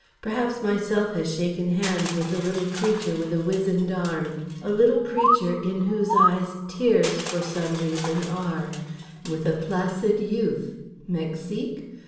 Perhaps myself has shaken hands with a little creature with a wizened arm, a little creature in whose eyes tears for some reason are; with a placid youth (Mexique?)